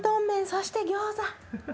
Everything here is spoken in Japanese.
そして餃子。